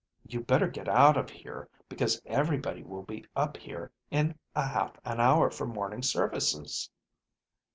_ "You better get out of here because everybody will be up here in a half an hour for morning services."